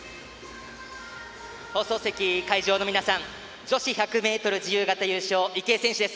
放送席、会場の皆さん女子１００ｍ自由形優勝池江璃花子選手です。